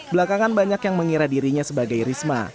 belakangan banyak yang mengira dirinya sebagai risma